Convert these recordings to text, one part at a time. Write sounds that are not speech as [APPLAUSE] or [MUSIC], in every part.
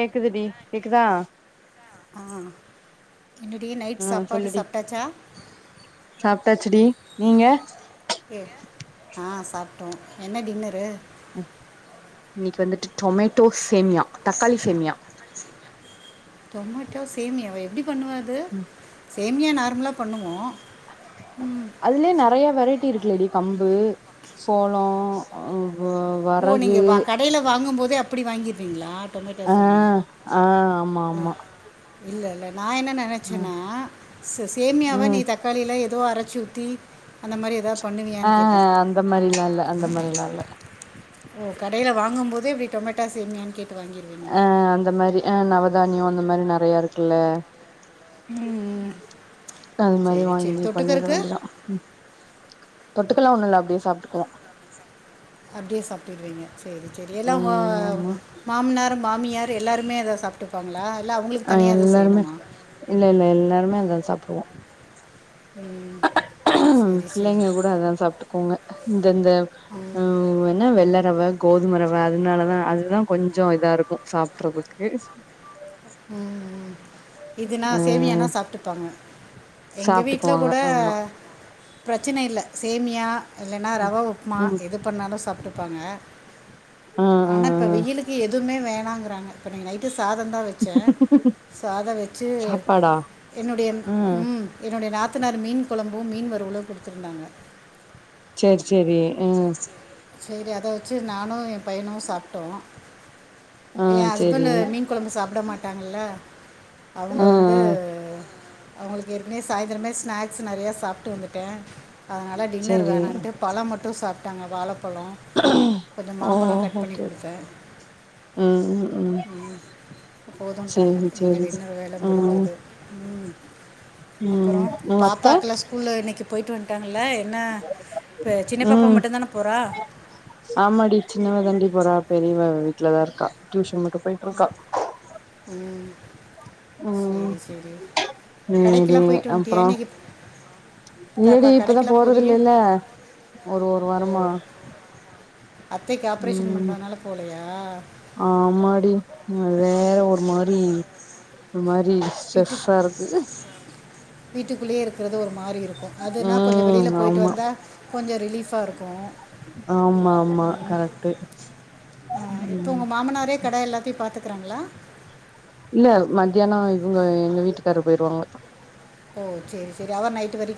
கேக்குது டி கேக்குதா ஆ என்னடி நைட் ஆஹ் சாப்பாடு சொல்லுடி சாப்பிட்டாச்சா சாப் டாச்சுடி நீங்க ஆஹ் சாப் ட்டோம் என்ன டின்னரு இன்னைக்கு வந்துட்டு டொமேட்டோ சேமியா தக்காளி சேமியா டொமாட்டோ சேமியாவா எப்டி பண்ணுவ அது சேமியா நார்மலா பண்ணுவோ அதுலயெ நெறையா வெரைட் ட்டி இருக்குலடி கம்பு சோளோ அ வ்வ வரகு அப்டி வாங்கிர்விங்ளா ஆஹ் ஆஹ் ஆமா ஆமா இல்லல நா என்ன ம் நெனச்சனா ச சேமியாவ நீ ம் தக்காளியில ஏதோ அரச் சூத்தி ஆஹ் அந்த மாரில்லா இல்ல அந்த மாரில்லா இல்ல ஓ கடையில வாங்கும் போதே இப்டி டொமேட்டா சேமியான்னு கேட் அஹ் அந்த மாரி அஹ் நவதானியொ அந்த மாதிரி நெறையா இருக்குல்ல ம் அது மாரி சரி சரி வாங்கி பண்ணிர தொட்டுக்கறக்கு வேண்டிதா தொட்டுக்கலா ஒண்ணுல்ல அப்டியே சாப்டுக்குவோ அப்டியே சாப்டிர்வீங்க சேரி செரி எல்லா உங்க ம் ஆமா மாம்னார் மாமியார் எல்லாருமே அத சாப்டுப்பாங் ஆஹ் எல்லாருமே இல்ல இல்ல எல்லாருமே அதா சாப்டுவோ ம் சரி சரி பிள்ளைங்க கூட அதா சாப்டுக்கூங்க ம் இந்த ம் உம் என்ன வெள்ளரவ கோதுமரவ அதுனாலதா அதுதா கொஞ்சோ இதா இருக்கு சாப்பிடறதுக்கு உம் இதுனா சேமியானா சாப்பிட்டுப்பாங்க எங்க வீட்ல சாப்ட்டுக்குவாங்க கூட ஆமா பிரச்சன இல்ல சேமியா யா இல்லன்னா ரவை உப்புமா ம் எது பண்ணாலும் சாப்டுப்பாங்க ஆ ஆ ஆனா ஆ இப்ப வெயிலுக்கு எதுவுமே வேண ங்கிறாங்க இப்ப நைட்டுக்கு சாதம் வ சாதம் வச்சு சாப்பாடா என்னுடைய ஆ என்னுடைய நாத்த நாத்ததுனாறு மீன் கொழம்பு மீன்வறுவலு குடுத்துருந்தாங்க செரி செரி ம் சேரி அத வெச்சு நானு என் பையனு சாப்ட்டோ ஆ என் சேரி ஹஸ்பண்ட் மீன் குழம்பு சாப்பிட மாட்டா அங்கல அவங்க ஆ ஆ வந்து அவங்களுக்கு ஏற்கனவே சாய்ந்திரமே ஸ்நாக்ஸ் நெறைய சாப்ட்டு வந்துட்ட அதனால டின்னர் சேரி வேணான்ன்ட்டு பழம் மட்டு சாப்ப ட்டாங்க வாழ அப்பளம் கொஞ்சோ ஓ மாம்பழம் கட் பண்ணி ஓகே ஓகே குடுத்த ம் ம் ம் போதுட்டாங்க சேரி அதோட சேரி டின்னர் வேல ம் முடிஞ்சது ம் அப்புறம் உங்க அத்த பாப்பாக்குலாம் ஸ்கூல்ல இன்னிக்கு போயிட்டு வந்துட்டாங்கள என்ன இப்போ சின்னப்பாப்பா ம் மட்டு தான போறா ஆமாடி சின்னவ தாண்டி போரா பெரியவ வீட்ல தா இருக்கா டியூஷன் மட்டு போயிட்ருக்கா உம் ம் செரி செரி கடைக்கெல்லா சேரி போயிட்டு வந்துட்டியா அப்றோ இன்னிக்கு இல்லடி இப்பதா போறது இல்லில்ல ஒரு ஒரு ஓ வாரமா அத்தைக்கு ஆப்ரேஷன் ம் பண்றோனால போலயா ஆமாடி வேற ஒரு மாரி ஒரு மாரி ஸ்ட்ரெஸ் அ இருக்கு வீட்டுக்குள்ளயே இருக்கிறது ஒரு மாறி இருக்கு அதுனா கொஞ்சோ ம் வெளியில போயிட்டு ஆமா வந்தா கொஞ்சோ ரிலீஃப்பா இருக்கு ஆமா ஆமா கரெக்ட் ம் க்றாங்ளா இல்ல மதியான இவங்க எங்க வீட்டுக்காரு போயிருவாங்க ஓ, சேரி சேரி அவர் நைட் வரைக்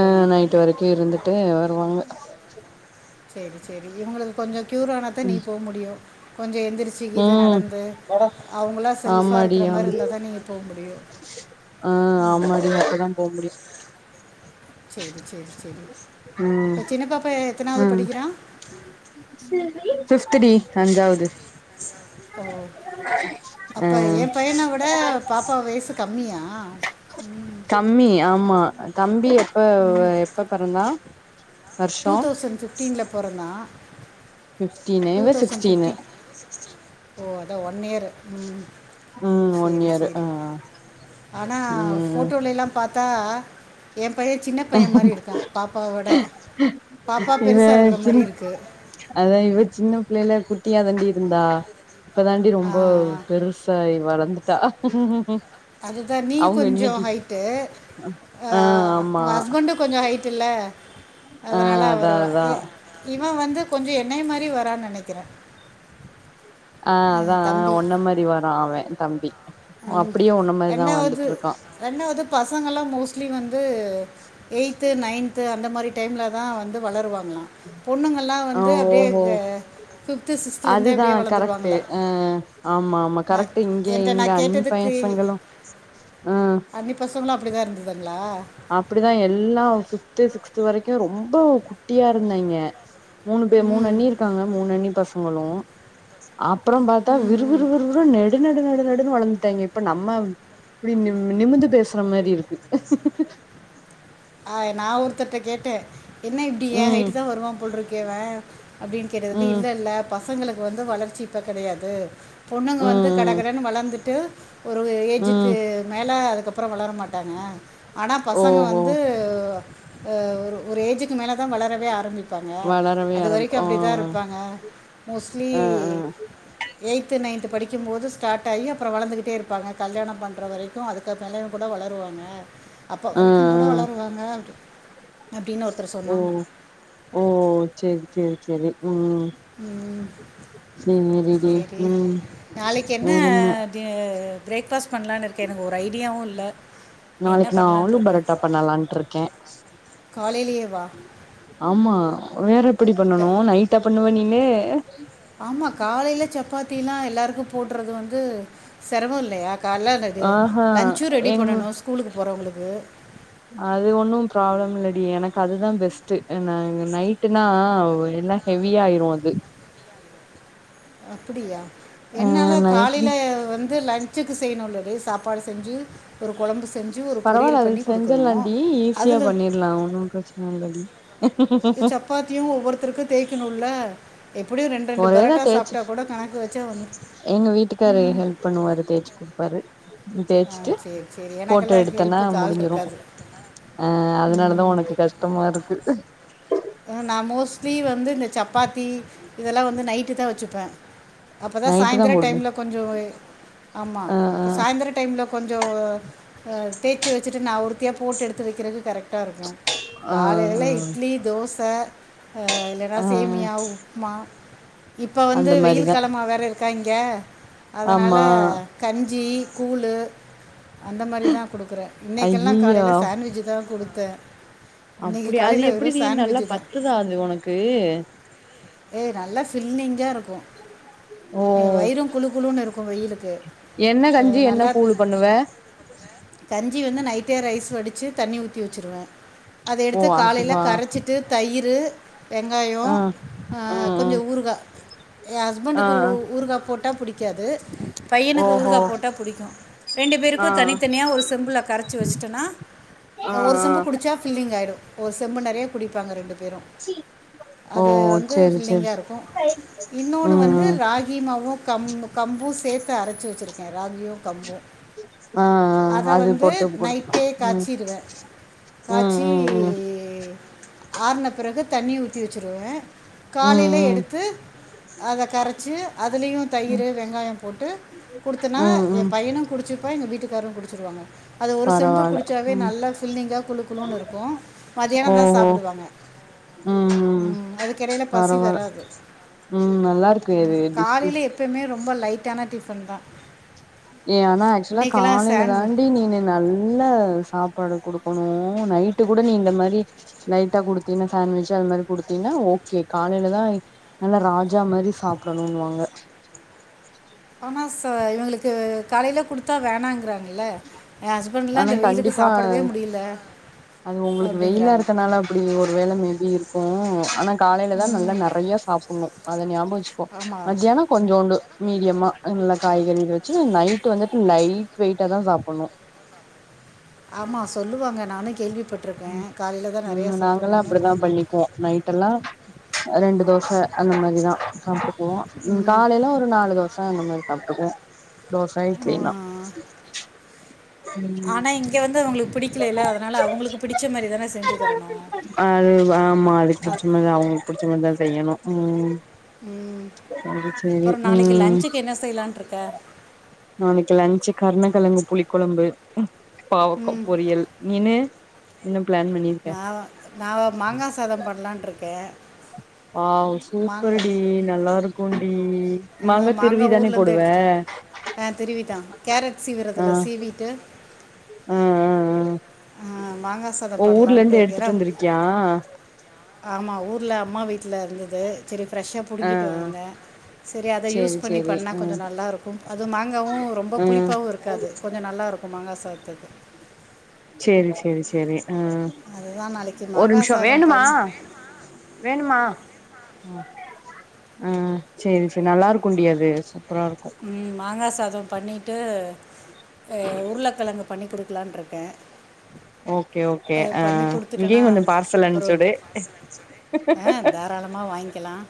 ஆ, நைட்டு வரைக்கு இருந்துட்டு வருவாங்க சேரி சேரி இவங்களுக் கொஞ்சோ க்யூரானாதா நீ போ முடியு, கொஞ்ச எழுந்திரிச்சி இது ம் நடந்து அவங்களா செல்ஃபா ஆமாடி இருக்ற மாரி ஆம் இருந்தா தா நீங்க போ முடியு, ஆ, ஆமாடி அப்பதா போ முடியு செரி செரி செரிங்க சிஸ் ம் ப சின்னப் பாப்பா எ எத்தனாவுது ம் படிக்கிறா பீஃப்த் டி அஞ்சாவுது ஓ அ அப்ப எ பையன விடே பாப்பா வயிஸ்சு கம்மியா ம் ஆ தம்பி எத் பாவு எப்ப பெறந்தா வர்ஷோ பொறந்தா டூ இவ தௌசண்ட் சிக்ஸ்டீனு பிஃப்டி ஓ தாவு ஒன்னீயேரு ம் ஒன்னீயேரு ஆ ம் தா எம் பையே சின்ன பையே மாரி இருக்கா பாப்பாவவோட பாப்பா இவ பெருசா இருக்கிற மாரி சின் இருக்கு அதா இவ சின்ன பிள்ளைல குட்டியா தாண்டி இருந்தா இப்ப தாண்டி ரொம்போ பெருசாயி வளந்துட்டா ம் அதுதா நீ கொஞ்சோ ஹைட்டு ஆ ஊ ஹஸ்பண்ட்டு கொஞ்சோ ஹைட் இல்லே ஆ அதுனால அதா அவுரு வ அதா எ இவே வந்து கொஞ்சோ என்னய மாரி வரான்னு நெனைக்கிறே. ஆ, அதா ஒன்ன மாரி வரா அவ தம்பி ம், அப்டியே உன்ன மாரிதா ரெண்டாவது வந்துட்டு இருக்கா ரெண்டாவது பசங்கல்லா மோஸ்ட்லி வந்து எய்த், நைன்த்து அந்த மாரி டைம்ல தா வந்து வளருவாங்களா, பொண்ணுங்கலா வந்து அப்டியே க ஃபிப் அதுதான் கரெக்ட் ஆ ஆமா ஆமா நான் கரெக்ட் இங்க என்கிட்ட இங்க நான் தண்ணி கேட்டதுக்கு பயசங்களும் ஆ அப்பதான் இருந்தது அப்படிதான் எல்லாம் சுத்து சு சிக்ஸ்த் வரைக்கும் ரொம்ப குட்டியா இருந்தங்க மூணு பேர் ம் மூணுண்ணி இருக்காங்க. மூண்ணி பச னுங்கலம் அப்புறம் பார்த்தா ம் ம் விறுவிறு விற நெடுநடு நடுநடு வளர்ந்துட்டேங்க இப்ப நம்ம இப்படி நிமிந்து பேசுற மாதிரி இருக்கு [INAUDIBLE] ஆ நான் ஒரு புத்தட்ட கேட்டுடேன் என்ன இப்படி என் ம் ஹேய்ட்டு தான் வருவா போல்றுக்கு க்கேவ அப்படின்னு கேட்றது ம் இல்ல இல்ல பசங்களுக்கு வந்து வ ச்ச இப்ப கிடையாது பொண்ணுங்க வந்து கடை ம் கடைன்னு வளர்ந்துட்டு ஒரு ம் ஏஜுக்கு ம் மேல அது அதுக்கப்புறம் வளர மாட்டாங்க ஆனா பசங்க ஓஹோ வந்து அது ஒரு ஏஜுக்கு மேலே தான் வளரவே ஆரம்பி வளரவே அது ஆரம்ப வரைக்கும் ஆ அப்படி தான் இருப்பாங்க மோஸ்லி ஆ ஆ எயிட் து நைன்து படிக்கும்போது ஸ்டார்ட் ஆகி அப்புறம் வளர்ந்துகிட்டே இருப்பாங்க கல்யாணம் பண்ற வரைக்கும் அதுக்க அப்புறம்லும் கூட வளருவாங்க அப்போ ஆ ஆ வரைக்கும் கூட வளருவாங்க அப்படின்னு ஒருத்தர் ஓ சொன்னாங்க ஓ சரி சரி சரி ம் சேரிடி சேரி ம் நாளைக்கு என்ன பிரேக்ஃபாஸ் பண்ணலான்னு இருக்கே எனக்கு ஒரு ஐடியாவு இல்ல நீ என்ன நாளைக்கு நா பண்ணலான்னு ஆலு இருக்க பரோட்டா பண்ணலான்ட்டு இருக்கே காலைலியேவா ஆமா வேற எப்படி பண்ணணு நைட்டா பண்ணுவே நீனு ஆமா காலையில சப்பாத் தி எல்லாருக்கு போடுறது வந்து செரமோ இல்லையா கால்ல ரேடி ஆயிரு ஆஹா லன்சு ரெடி எங் பண்ணணு ஸ்கூலுக்கு போறவங்களுக்கு உ அது ஒன்னு ப்ராப்ளம் இல்லடி எனக்கு அதுதா பெஸ்ட்டு நா நைட்டுனா எல்லா ஹெவிய ஆயிரு அது அப்படியா ஆ என்னால காலையில நைட்டு வந்து லன்ச்சு செய்னுல்ல அதே சாப்பாடு செஞ்சு ஒரு குழம்பு செஞ்சு ஒரு பரவாயில்ல பொரியல் அது பண்ணி கொடுக்கணும் செஞ்சலாண்டி ஈஸியா அதில் பண்ணிர்லா ஒன்னு பிரெச்சன இல்ல டி இ சப்பாத்தியு ஒவ்வொருத்தருக்கு தேய்க்கணுல்ல எ ஒரேதா தேய்ச்சு வச்சா வந்து எங்க வீட்டுக்காரு ஹெல்ப் பண்ணுவாரு தேய்ச்சு குடுப்பாரு ஆ தேச்சுட்டு சரி சரி போட்டு எனக்கெல்லாம் எடுத்தன்னா ஹெல்ப்புக்கு ஆள் முடிஞ்சிரு இருக்காது அ ம் அதனாலதா உனக்கு கஷ்டமா இருக்கு நா மோஸ்ட்லி வந்து இந்த சப்பாத்தி இதெல்லா வந்து நைட்டு தா வச்சுப்ப அப்பதா நைட்டு தா சாயந்தர போடுவே டைம்ல கொஞ்சோ ஆமா ஆ ஆ சாயந்தர டைம்ல கொஞ்சோ அ தேசச்சு வச்சுட்டு நா ஒரு த்தியா போட்டு எடுத்து வைக்கிறக்கு கரெக்ட் ட்டா இருக்கும் ஆ காலல இட்லி தோச ச ஆ, இல்லைன்னா ஆ ஆ சேமியா உப்மா இப்ப வந்து அந்த வெயில் மாரிதா காலமா வேற இருக் காங்கே அதனால ஆமா கஞ்சி கூழு அந்த மாரிதா குடுக்குறே இன்னெக்கெல்லா ஐயையோ காலைல சாண்ட்விச்சுதா குடு தே அப்புடி அது எப்டி வி நல்லா பத் தான் துதா அது ஒனக்கு ஏ நல்லா சில்னிங்கா இருக் க்கு ஓ என் வயிரும் குழு குழுனு இருக்கும் வெயிலுக்கு என்ன கஞ்சி என்ன நல்லா கூழு பண்ணுவ கஞ்சி வந்து நைட்டே ரைஸ் வடிச்சி தண்ணீ ஊத்தி வெச்சுருவே அத ஓ எடுத்து காலைல அதுவா கரச்சிட்டு தயிரு வெங்காயோ ஆ ஆ ம் கொஞ்ச ம் ஊருகா எ ஆ ஹஸ்பண்டுக்கு ஊ ஊருகா போட் ட்டா புடிக்காது பையனுக்கு ஓஹோ ஊறுகா போட்டா புடிக்கோ ரெண்டு பேருக்கு ஆ தனித்தனியா ஒரு செம்புல கரச்சி வெச்ட்டனா ஆ ஒரு செம்பு குடிச்சா ஃபில்லிங் ஆயிடோ ஒரு செம்பு நெறையா குடிப்பாங்க ரெண்டு பேரோ ஓ அது து வந்து சேரி ஃபில்லிங்கா சேரி இருக்கோ இன்னோனு ம் வந்து ம் ராகிமாவூ கம்பூ கம்பூ சேத்து அரச்சி வெச்சிருக்கே ராகியூ கம்பூ ஆ ஆ அது போட்டு குடுத்துக் நைட்டே உம் காய்ச்சிடுவேன் உம் உம் உம். ஆற்ன பிறகு தண்ணி ஊத்தி வச்சுருவே. ம் காலைல ம் எடுத்து அத கரச்சு அதுலேயு ம் தயிரு வெங்காயோ போட்டு குடுத்தனா, ம் எ ம் பையனு குடுச்சுப்பா எங்க வீட்டுக்காரு குடுச். குடிச்சுருவாங்க அது ஒரு செம்பு பரவால்ல குடிச்சாவே ம் நல்ல ஃபில்லிங்கா குலு குலுனு இருக்கு மதியானோ தா ஓஹோ சாப்பிடுவாங்க ஆ அதுக். பரவால உம் நல்லாருக்கு இது டிஷ்ஷு. காலையில் எப்பயுமே ரொம்ப லைட்டான டிஃபன் தா ஏ ஆனா ஆக்சுவலா காலையில சாண்ட்விச் தாண்டி நீனு நல்லா சாப்பாடு.. குடுக்கணு நைட்டு கூட நீ இந்த மாரி லைட்டா குடுத்தீனா சாண்ட்விச் அது மாரி குடுத்தீன்னா ஓக்கே, காலையிலதா நல்லா ராஜா மாரி சாப்டணுனூவாங்க. ஆனா ச இவங்களுக்கு காலையில குடுத்தா வேணாங்றாங்க. இல்ல எ ஹஸ்பண்ட்லா ஆனா இந்த வெயிலுக்கு கண்டிப்பா சாப்டவே முடியல. அது உங்களுக்கு வெயிலா அப்படிங்கிறாங்க இருக்கனால அப்பிடி ஒரு வேள மேபி இருக்கு ஆனா காலையில தா நல்லா ம் நெறைய சாப்பிடுணு அதை ஞாபக வெச்சுக்கோ ஆமாம் மதியானோ கொஞ்சூண்டு. மீடியம்மா நல்லா காய்கறிக வச்சு நைட். வந்துட்டு லைட் வெயிட்டா தா சாப். பட்னு ஆமா சொல்லுவாங்க நானே கேள்விப்.. உம் நாங்கலா அப்டித்தா பண்ணிக்குவோ நைட் எல்லா ரெண்டு தோச அந்த மாதிரிதா சாப்பிட்டுக்குவோ, ம், காலைல ஒரு நாலு தோசை அந்த மாரி சாப்பிட்டுக்குவோ. தோச இட்லினா. ம் ஆனா இங்க வந்து அவங்களுக்கு பிடிக்கலல்ல, அதனால அவங்களுக்கு பிடிச்ச மாரி தானே செஞ்சு தரணு மா அதுக் பிடிச்சமாதி அவங்களுக்கு பிடிச் மாரி. செய்யணு உம். உம் அப்புறோ நாளைக்கு ம் லன்ச்சுக்கு என்ன செய்யலான்ட் இருக்க. கர்ணகெழங்கு புளிப் கொழம்பு. பாவக்க பொரியல் நீனு. இன்னு நாவ நாவப் மாங்கா சாதம் பண்லான் இருக்கே ஆஹ் சூப்பர் டி நல்லா இருக்கும் டி ஆஹ் மாங்கா ஊர்ல இருந்து எடுத்துடு ஆஹ் திருவிதா கேரட் சீவிறதுல சீவிட்டு. ஹ ஹ ஹ அஹ், மாங்காய் சாதம் ஓ ஊர்ல பண்ணலான்ட்டு இருந்து எடுத்துட்டு வந்திருக்கியா. ஆமா ஊர்ல அம்மா வீட்ல இருந்தது. சரி ஃப்ரெஷ்ஷா ஆ ஆ புடுங்கிட்டு வந்தே சரி அத யூஸ் சேரி பண்ணி சேரி பண்ணா ஆ கொஞ்சம் நல்லாருக்கும், அது மாங்காவும் ரொம்ப ஆ புளிப்பாவும் இருக்காது கொஞ்சம் நல்லாருக்கும் மாங்கா. பாத்துக்கோ ச்செரி ச்செரி ச்செரி ம் அதுதான் நாளைக்கு ஒரு மாங்காய் நிம்ஷோ சாதம் வேணுமா பண்ணி வேணுமா அ அ சரி சரி நல்லாருக்குன்டி அது சூப்பரா இருக்கு ம் மாங்கா சாதம் பண்ணிட்டு அ உருளக்கழங்கு பண்ணி குடுக்கலான்ருக்கே ஓகே ஓகே ஆ இங்கேயு கொடுத்துட்டேன்னா கொஞ்சோ பார்சல் அப்புறம் ஒரு அம்ச்சுடு ஆ தாராளமாக வாங்கிக்கலாம்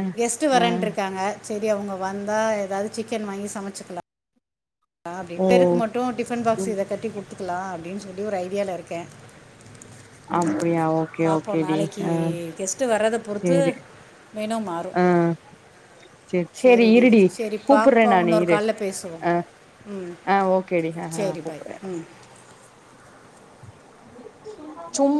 அ கெஸ்ட்டு அ வரேன் இருக்காங்க சரி அவங்க வந்தா எதாது சிக்கன் வாங்கி சமச்சுக்கலா அ ஓ அப்டிண்டு ருக்கு மட்டு டிஃபன் பாக்ஸ் இத கட்டி குடு கத்துக்கலா அப்டின் சொல்லி ஒரு ஐடியால இருக்கே அப்டியா ஓகே பாப்போ ஓகேடி நாளைக்கி ஆ டெஸ்டு வர்றத பொறுத்து சேரி மெனு மாறு ஆ சேரி சேரி சரிடி இருடி கூப்புட்றே சரிப்பாப்போ நானு இன்னொரு இரு கால்ல பேசுவோ ஆ ம் ஆ ஓகேடி ஆ ஆ சரி பாய் கூப்புட்றே ம் சும்